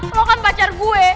lo kan pacar gue